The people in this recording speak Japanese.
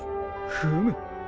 フム。